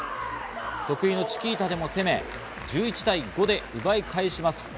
得意のチキータでも攻め、１１対５で奪い返します。